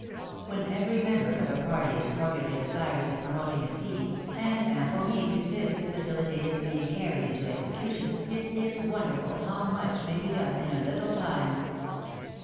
When every member of a party is cordially desirous of 192 THE WIDOW MAEEIED. promoting a scheme, and ample means exist to faoiKtate' its being carried into execution, it is wonderful how much may be done in a httle time.